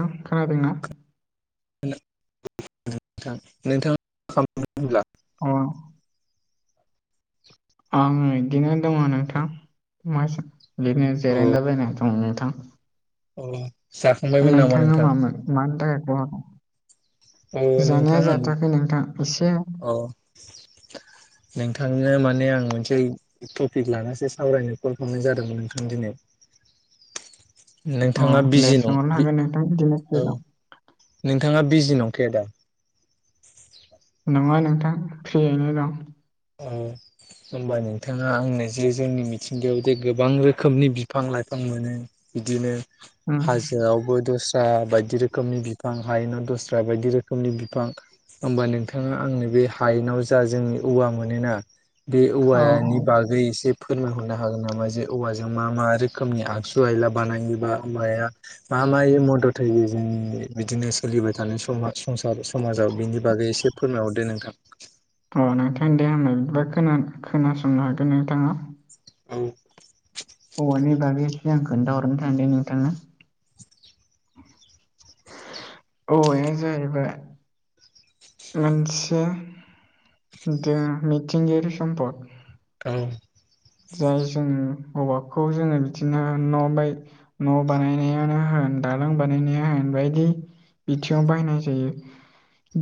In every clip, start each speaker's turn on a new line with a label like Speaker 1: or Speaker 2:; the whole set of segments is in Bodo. Speaker 1: ओं खोनादोंना?
Speaker 2: [unintelligible] नोंथाङा खालामदों होनब्ला
Speaker 1: औ आं बिदिनो दङ नोंथां, बिदिनो
Speaker 2: औ
Speaker 1: जिरायलालायनाय दङ नोंथां।
Speaker 2: औ। जाखांबायमोन नामा
Speaker 1: नोंथाङा
Speaker 2: नोंथां
Speaker 1: मामोन मानि थाखाय [unintelligible]
Speaker 2: औ नोंथां
Speaker 1: जानाया
Speaker 2: आं
Speaker 1: जाथाखै नोंथां एसे
Speaker 2: अ नोंथांनो माने आं मोनसे टपिक लानासो सावरायनो कल हमनाय जादोंमोन नोंथां दिनै।
Speaker 1: अ
Speaker 2: नोंथाङा
Speaker 1: दे
Speaker 2: बिजि नं
Speaker 1: सोंहरनो हागोन नोंथां बिदिनो फ्रि
Speaker 2: औ।
Speaker 1: दं
Speaker 2: नोंथाङा बिजि नंखायादा।
Speaker 1: नङा नोंथां फ्रियैनो दं।
Speaker 2: [unintelligible] होमबा नोंथाङा आंनो जे जोंनि मिथिंगायाव जे गोबां रोखोमनि बिफां लाइफां मोनो बिदिनो
Speaker 1: उम
Speaker 2: हाजो फआवबो दस्रा बायदि रोखोमनि बिफां हायेनाव दस्रा बायदि रोखोमनि बिफां होमबा नोंथाङा आंनि बे हायेनाव जा जोंनि औवामोन मानोना बे
Speaker 1: अ
Speaker 2: औवानि बागै एसे फोरमायहरनो हागोन नामा जे औवाजों मा मा रोखोमनि आगजु आयला बानायोबा औवाया मा मायै मदद होयो जों बिदिनो सोलिबाय थानाय सम संसार समाजाव बिनि बागै एसे फोरमायहरदो नोंथां।
Speaker 1: अ नोंथां दे आंबो खोन खोनासंनो हागोन नोंथाङा
Speaker 2: औ।
Speaker 1: औआनै बागैसेै आं खोन्थाहरनो थान दे नोंथांनो औवाया जाहैबाय। मोनसे मिथिंगायारि सम्पद
Speaker 2: औ
Speaker 1: जाय जों औवाखौ जोङो बिदिनो न' [unintelligible] न' बानायनायानो होन दालां बानायनाया होन बायदि बिथिङाव बायनाय जायो।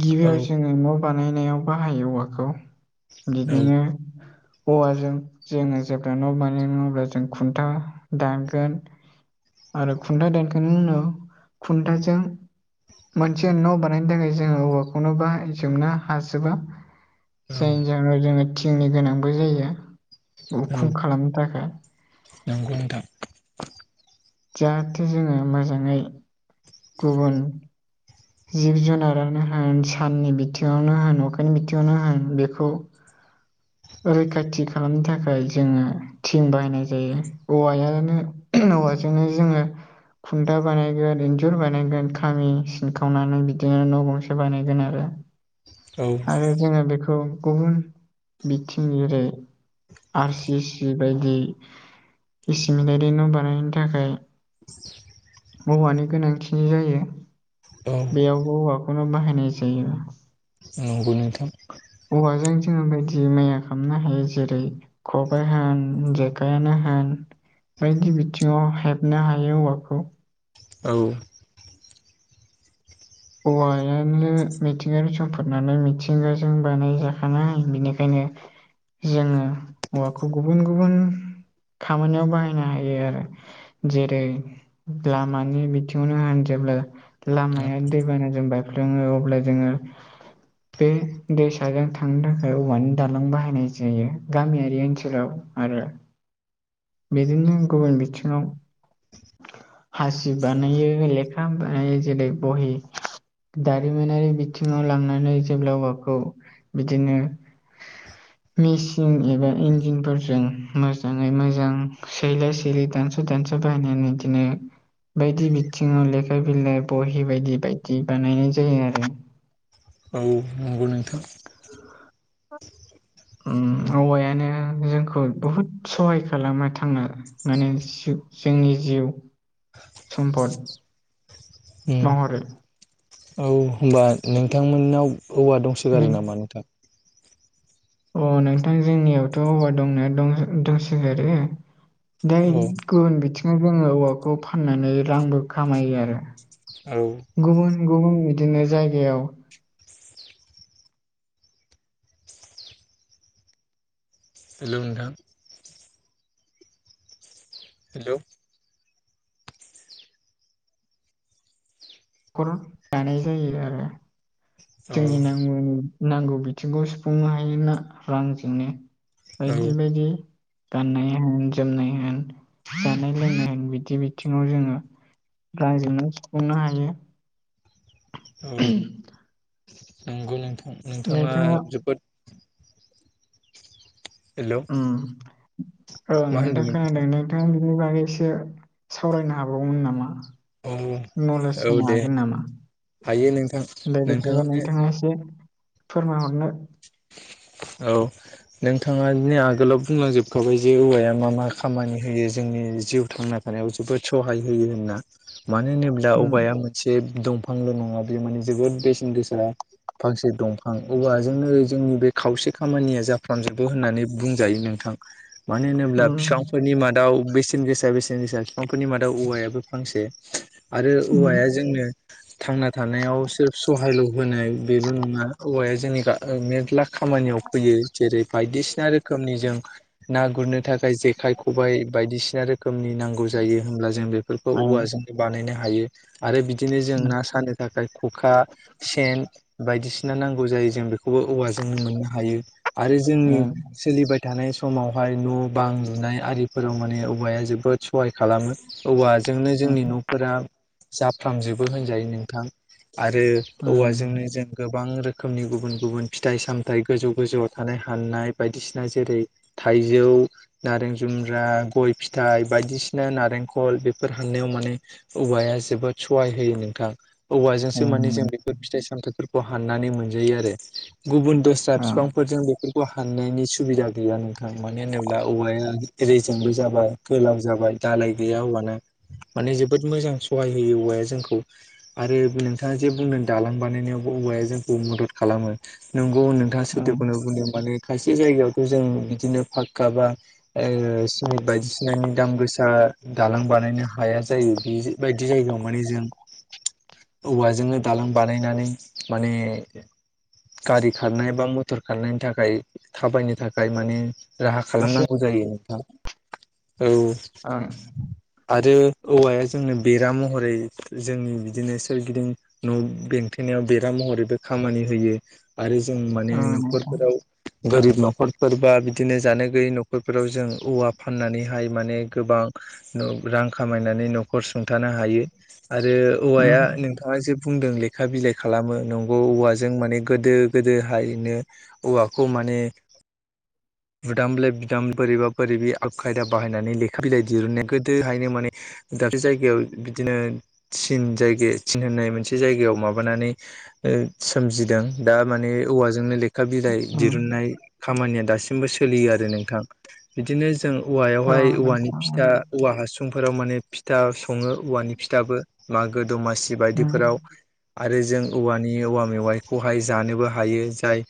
Speaker 1: गिबियाव जोङो न' बानायनायाव बाहायो औवाखौ,
Speaker 2: औ
Speaker 1: बिदिनो औवाजों जोङो जेब्ला न' बानाय नङ अब्ला जों खुन्था दानगोन आरो खुन्थाइ दानखांनायनि उनाव खुन्थाजों मोनसे न' बानायनो थाखाय जोङो औवाखौनो बाहाय जोबनो हाजोबा जायनि जाहोनाव जोङो थिंनि गोनांबो जायो, उखुम खालामनो थाखाय।
Speaker 2: नोंगौ नोंथां।
Speaker 1: जाहाथे जोङो मोजाङै गुबुन जिब जुनारानो होन साननि बिथिङावनो होन अखानि बिथिङावनो होन बेखौ रैखाथि खालामनो थाखाय जोङो थिं बाहायनाय जायो औवाआयानो औवाजोंनो जोङो खुन्दा बानायगोन इन्जुर बानायगोन खामि सिन खावनानै बिदिनो न' गंसे बानायगोन आरो
Speaker 2: औ
Speaker 1: आरो जोङो बेखौ गुबुन बिथिं जेरै आर सि सि बायदि इसिमिटारि न' बानायनो थाखाय
Speaker 2: [unintelligible]
Speaker 1: औवानि गोनांथि जायो।
Speaker 2: [unintelligible]
Speaker 1: बेयावबो औवाखौनो बाहायनाय जायो।
Speaker 2: नंगौनोंथां।
Speaker 1: औवाजों जोङो बायदि मैया खालामनो हायो जेरै खबाइ होन जेखायानो होन बायदि बिथिङाव हेबनो हायो औवाखौ।
Speaker 2: औ।
Speaker 1: औवायानो मिथिंगानि सम्फद नालाय मिथिंगाजों बानाय जाखानाय बेनिखायनो जोङो औवाखौ गुबुन गुबुन खामानियाव बाहायनो हायो आरो। जेरै लामानि बिथिङावनो होन जेब्ला लामाया दै दै बानाजों बायफ्लङो अब्ला जोङो बे दैसाजों थांनो थाखाय औवानि दालां बाहायनाय जायो गामियारि ओनसोलाव आरो
Speaker 2: [inaudible]
Speaker 1: बिदिनो गुबुन बिथिङाव हासि बानायो लेखा बानायो जेरै बहि दारिमिनारि बिथिङाव लांनानै जेब्लाबखौ बिदिनो
Speaker 2: [inaudible]
Speaker 1: मेसिन एबा इन्जिनफोरजों मोजाङै मोजां सैलाय सैलि दानस' दानस' बाहायनानै बिदिनो बायदि बिथिङाव लेखा बिलाइ बहि बायदि बाय जि बानायनाय जायो आरो।
Speaker 2: औ नंगौ नोंथां।
Speaker 1: ओम औवायानो जोंखौ बुहुद सहाय खालामा थांना माने जो-जोंनि जिउ सम्फद
Speaker 2: उम
Speaker 1: महरै
Speaker 2: औ होनबा नोंथांमोननाव औवा
Speaker 1: नों
Speaker 2: दंसोगारो नामा नोंथां?
Speaker 1: अ नोंथां जोंनियावथ' औवा दंना दंसो दंसोगारो। दा
Speaker 2: औ
Speaker 1: गुबुन बिथिङाव जोङो औवाखौ फाननानै रांबो खामायो आरो।
Speaker 2: औ।
Speaker 1: गुबुन गुबुन बिदिनो जायगायाव
Speaker 2: हेलौ नोंथां। हेलौ।
Speaker 1: न'खर दानाय जायो आरो
Speaker 2: औ
Speaker 1: जोंनि नांगौनि नांगौ बिथिंखौ सुफुंनो हायोना रांजोंनो
Speaker 2: औ
Speaker 1: बायदि बायदि गाननाय होन जोमनाय होन जानाय लोंनाय होन बिदि बिथिङाव जोङो रांजोंनो सुफुंनो हायो।
Speaker 2: औ नंगौ नोंथां नोंथाङा जोब हेलौ
Speaker 1: ओम ओं
Speaker 2: मा
Speaker 1: नोंथां
Speaker 2: होनदोंमोन
Speaker 1: खोनादों नो नों बिनि बागै एसे सावरायनो हाबावगोमोन नामा?
Speaker 2: औ
Speaker 1: नलेज
Speaker 2: औ
Speaker 1: होनो
Speaker 2: दे
Speaker 1: हागोन नामा?
Speaker 2: हायो नोंथां
Speaker 1: दे बिदिबा
Speaker 2: नोंथाङानो
Speaker 1: नोंथाङा एसे फोरमायहरनो
Speaker 2: औ। नोंथाङादि आगोलाव बुंलांजोबखाबाय जे औवाया मा मा खामानि होयो जोंनि जिउ थांना थानायाव जोबोद सहाय होयो होनना मानो होनोब्ला
Speaker 1: उम
Speaker 2: औवाया मो मोनसे दंफांल' नङा बे माने जोबोद बेसेन गोसा फांसे दंफां अबा जोंनो जोंनि बे खावसे खामानिया जाफ्रामजोबो होननानै बुंजायो नोंथां। मानो होनोब्ला
Speaker 1: उम
Speaker 2: फिफांफोरनि मादाव बेसेन गोसा बेसेन गोसा फिफांफोरनि मादाव औवायाबो फांसे आरो
Speaker 1: उम
Speaker 2: औवाया जोंनो थांना थानायाव सोर सहाय लुबैनाय बेल' नङा औवाया जोंनिखा सिख्ला खामानियाव फैयो जेरै बायदिसिना रोखोमनि जों ना गुरनो थाखाय जेखाय खबाइ बायदिसिना रोखोमनि नांगौ जायो होमब्ला जों बेफोरखौ
Speaker 1: ओं
Speaker 2: औवाजों बानायनो हायो आरो बिदिनो जों ना सानो थाखाय खखा सेन बायदिसिना नांगौ जायो जों बेखौबो औवाजो जों मोननो हायो आरो जोंनि
Speaker 1: ओं
Speaker 2: सोलिबाय थानाय समावहाय न' बां लुनाय आरिफोराव माने औवाया जोबोद सहाय खालामो। औवाजोंनो जोंनि न'फोरा जाफ्रामजोबो होनजायो नोंथां आरो औवाजोंनो जों गोबां रोखोमनि गुबुन गुबुन फिथाइ सामथाइ गोजौ गोजौआव थानाय हाननाय बायदिसिना जेरै थाइजौ नारें जुमब्रा गय फिथाइ बायदिसिना नारेंखल बेफोर हाननायाव माने औवाया जोबोद सहाय होयो नोंथां औवाजोंसो माने
Speaker 1: ओं
Speaker 2: जों
Speaker 1: ओं
Speaker 2: बेफोर फिथाइ सामथाइफोरखौ हाननानै मोनजायो आरो गुबुन द ओ
Speaker 1: ओं
Speaker 2: बिफांफोरजों बेफोर औ हाननायनि सुबिदा गैया नोंथां मानो होनोब्ला औवाया एरैजोंबो जाबाय गोलाव जाबाय दालाय गैया हौवाना माने जोबोद मोजां सहाय होयो औवाया जोंखौ आरो नोंथाङा जे बुंदों दालां बानायनायावबो औवाया जोंखौ मदद खालामो नोंगौ नोंथाङा
Speaker 1: ओं
Speaker 2: सैथोखौनो बुंदों माने खायसे जायगायावथ' जों बिदिनो फाक्का बा सिमेन्ट बायदिसिनानि दाम गोसा दालां बानायनो हाया जायो बे बायदि जायगायाव माने जों औवाजोंनो दालां बानायनानै माने गारि खारनाय बा मथर खारनायनि थाखाय थाबायनो थाखाय माने राहा
Speaker 1: एसे
Speaker 2: खालामनांगौ जायो नोंथां औ
Speaker 1: आं
Speaker 2: आरो औवाया जोंनो बेरा महरै जोंनि बिदिनो सोरगिदिं न' बेंथेनायाव बेरा महरैबो खामानि होयो। आरो जों माने
Speaker 1: ओं नोंथां
Speaker 2: न'खरफोराव गोरिब न'खरफोर बा बिदिनो जानो गैयै न'खरफोराव जों औवा फाननानैहाय माने गोबां रां खामायनानै न'खर सुंथानो हायो आरो औवाया
Speaker 1: उम
Speaker 2: नोंथाङा जे बुंदों लेखा बिलाइ खालामो नंगौ औवाजों माने गोदो गोदोहायनो औवाखौ माने बुदाम बिलाइ बिुदाम बोरैबा बोरैब आ खायदा बाहायनानै लेखा बिलाइ दिरुननाय गोदोहायनो माने दाखलै जायगायाव बिदिनो थिन जायगायाव थिन होननाय मोनसे जायगायाव माबानानै सोमजिदों दा माने औवाजोंनो लेखा बिलाइ
Speaker 1: उम
Speaker 2: दिरुननाय खामानिया दासिमबो सोलियो आरो नोंथां बिदिनो जों औवायावहाय
Speaker 1: ओं नोंथां
Speaker 2: औवानि फिथा औवा हासुंफोराव माने फिथा सङो औवानि फिथाबो मागो दमासि
Speaker 1: उम
Speaker 2: बायदिफोराव आरो जों औवानि औवा मेवाइखौ जानोबो हायो जाय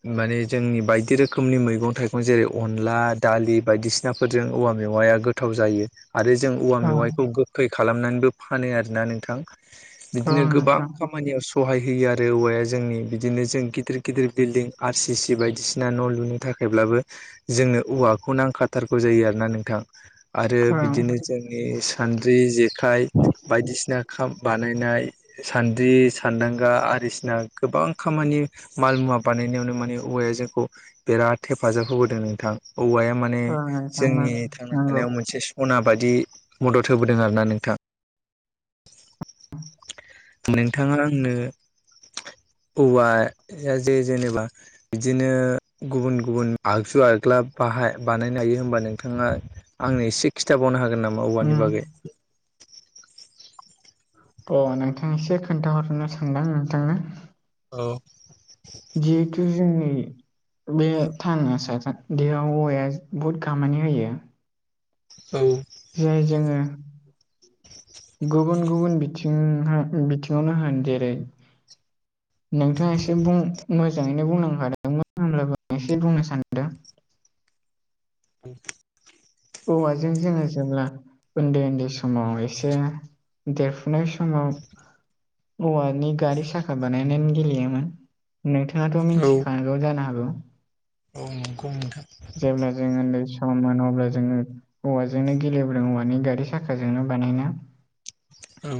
Speaker 2: माने जोंनि बायदि रोखोमनि मैगं थाइगं जेरै अनला दालि बायदिसिनाफोरजों औवा मेवाया गोथाव जायो आरो जों औवा
Speaker 1: ओं
Speaker 2: मेवाइखौ गोखै खालामनानैबो फानो आरोना नोंथां।
Speaker 1: ओं
Speaker 2: बिदिनो गोबां
Speaker 1: नोंथां
Speaker 2: खामानियाव सहाय होयो आरो औवाया जोंनि बिदिनो जों गिदिर गिदिर बिल्डिं आर सि सि बायदिसिना न' लुनो थाखायब्लाबो जोंनो औवाखौ नांखाथारगौ जायो आरोना नोंथां आरो
Speaker 1: ओं
Speaker 2: बिदिनो जोंनि सान्द्रि जेखाइ बायदिसिना बानायनाय सान्द्रि सान्दांगा आरदिसिना गोबां खामानि माल मुवा बानायनायावनो माने औवाया जोंखौ बिराद हेफाजाब होबोदों नोंथां औवाया माने
Speaker 1: ओं नोंथां
Speaker 2: जोंनि थांना
Speaker 1: नोंगौ
Speaker 2: थानायाव मोनसे अना बायदि मदद होबोदों आरोना नोंथां नोंथाङा आंनो औवाया जे जेनेबा बिदिनो गुबुन गुबुन आगजु आग्ला बाहाय बानायनो हायो होमबा नोंथाङा आंनो एसे खिन्थाबावनो हागोन नामा
Speaker 1: उम
Speaker 2: औवानि बागै
Speaker 1: अ नोंथां एसे खोन्थाहरनो सानदों नोंथांनो
Speaker 2: औ
Speaker 1: जिहेतु जोंनि बे थांना थासानदियाव औवाया बहुद खामानि होयो।
Speaker 2: औ
Speaker 1: जाय जोंङो गुबुन गुबुन बिथिहा बिथिङावनो होन जेरै नोंथाङा एसे बुं मोजाङैनो बुंलांखादोंमोन होनोमब्लाबो एसे बुंनो सानदों।
Speaker 2: [inaudible]
Speaker 1: औवाजों जोङो जेब्ला ओन्दै ओन्दै समाव एसे देरफुनाय समाव औवानि गारि साखा बानायनानै गेलेयोमोन। नोंथाङाथ'
Speaker 2: औ
Speaker 1: मिन्थिखानांगौ जानो हागौ?
Speaker 2: औ नंगौ नोंथां।
Speaker 1: जेब्ला जों ओन्दै सममोन अब्ला जोङो औवाजोंनो गेलेब्ला औवानि गारि साखाजोंनो बानायना
Speaker 2: औ।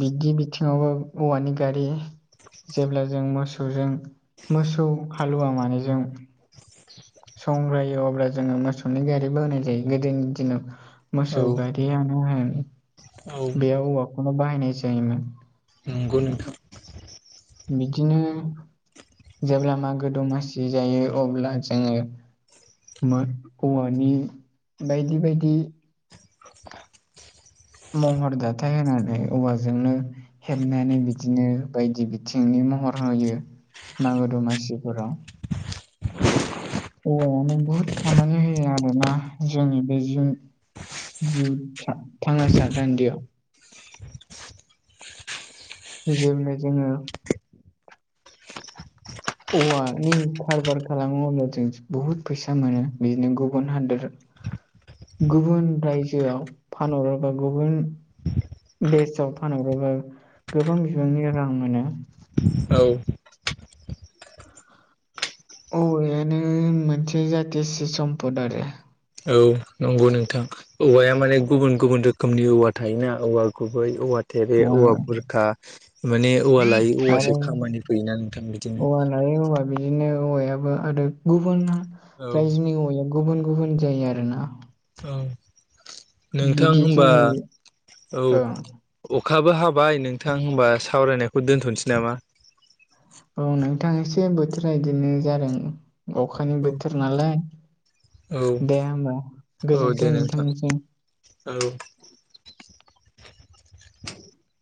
Speaker 1: बिदि बिथिङावबो औवानि गारि जेब्ला जों मोसौजों मोसौ हालुवा मानैजों संग्रायो अब्ला जोङो मोसौ नि गारि बावनाय जायो गोदोनि दिनाव।
Speaker 2: औ
Speaker 1: मोसौ गारियानो होन बेयाव औवाखौनो बाहायनाय जायोमोन।
Speaker 2: नंगौ नोंथां।
Speaker 1: बिदिनो जेब्ला मागो दमासि जायो अब्ला जोङो [unintelligible] औवानि बायदि बायदि
Speaker 2: [inaudible]
Speaker 1: महर जाथाय होनानै औवाजोंनो हेबनानै बिदिनो बायदि बिथिंनि महर होयो मागो दमासिफोराव। औवायानो बुहुद खामानि होयो आरोना जोंनि बेजों जिउ जिउ थांना साथान्दियाव। जेब्लाय जोङो औवानि खारबार खालामो अब्ला जों बुहुद फैसा मोनो बिदिनो गुबुन हादोर
Speaker 2: [unintelligible]
Speaker 1: गुबुन रायजोआव पानहरो एबा गुबुन देसाव फानहरोब्ला गोबां बिबांनि रां मोनो।
Speaker 2: औ।
Speaker 1: औवानो मोनसे जाथियासि सम्पद आरो।
Speaker 2: औ नंगौ नोंथां। औवाया माने गुबुन गुबुन रोखोमनि औवा थायोना औवा गुबै औवा थेरे
Speaker 1: ओ
Speaker 2: औवा बुरखा माने औवा लायै
Speaker 1: आरो
Speaker 2: औवासो खामानि फैयोना नोंथां बिदिनो।
Speaker 1: [unintelligible] औवा बिदिनो औवायाबो आरो गुबुन
Speaker 2: औ
Speaker 1: रायजोनि औवाया गुबुन गुबुन जायो आरोना।
Speaker 2: औ नोंथां
Speaker 1: बिदि
Speaker 2: होनबा
Speaker 1: जोंनि
Speaker 2: औ अखाबो हाबाय नोंथां होमबा सावरायनायखौ दोन्थ'नोसै नामा?
Speaker 1: औ नोंथां एसे बोथोरा बिदिनो जादों अखानि बोथोर नालाय।
Speaker 2: औ
Speaker 1: दे होमबा
Speaker 2: औ
Speaker 1: गोजोन्थों
Speaker 2: दे नोंथां
Speaker 1: नोंथांनिसिम।
Speaker 2: औ।
Speaker 1: [inaudible]